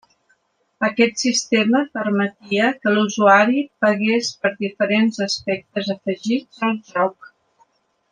Aquest sistema permetia que l'usuari pagués per diferents aspectes afegits al joc.